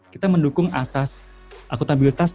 kita mendukung asas akuntabilitas